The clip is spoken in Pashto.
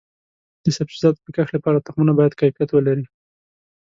د سبزیجاتو د کښت لپاره تخمونه باید کیفیت ولري.